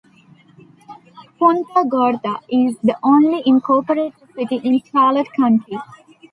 Punta Gorda is the only incorporated city in Charlotte County.